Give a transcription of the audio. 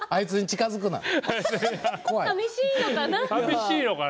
さみしいのかな？